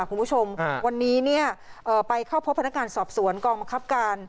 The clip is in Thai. คุณผู้ชมอ่าวันนี้เนี้ยเอ่อไปเข้าพบพนักการสอบสวนกองมักครับการ